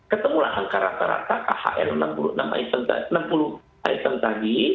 ketemulah angka rata rata ah enam puluh item tadi